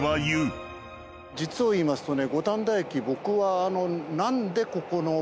実を言いますとね。